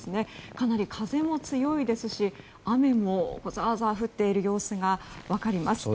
かなり風も強いですし雨もザーザー降っている様子が分かります。